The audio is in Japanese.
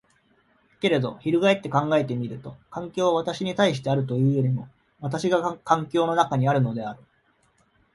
けれど翻って考えてみると、環境は私に対してあるというよりも私が環境の中にあるのである。